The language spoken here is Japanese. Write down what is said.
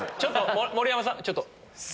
盛山さんちょっと。